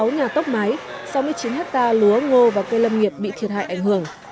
bảy mươi sáu nhà tốc máy sáu mươi chín hectare lúa ngô và cây lâm nghiệp bị thiệt hại ảnh hưởng